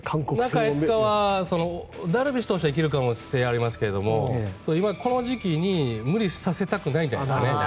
中５日はダルビッシュ投手は行ける可能性がありますけど今、この時期に無理させたくないんじゃないですかね。